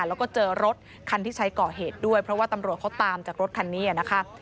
แล้วก็เจอรถคันที่ใช้ก่อเหตุด้วยเพราะว่าตำรวจเขาตามจากรถคันนี้นะคะ